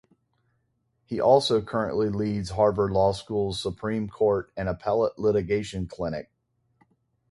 He also currently leads Harvard Law School's Supreme Court and Appellate Litigation Clinic.